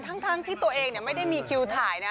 ทั้งที่ตัวเองไม่ได้มีคิวถ่ายนะ